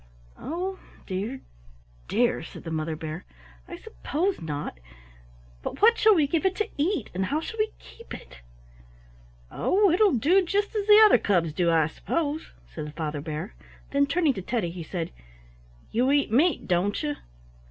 "Oh dear, dear!" said the Mother Bear, "I suppose not, but what shall we give it to eat, and how shall we keep it?" "Oh, it will do just the other cubs do, I suppose," said the Father Bear. Then turning to Teddy he said, "You eat meat, don't you?"